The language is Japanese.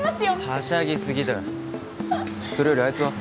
はしゃぎすぎだそれよりあいつは？